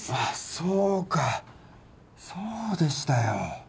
そうかそうでしたよ